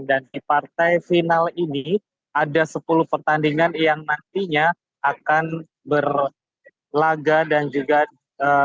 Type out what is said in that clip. dan di partai final ini ada sepuluh pertandingan yang nantinya akan berlaga dan juga berlaku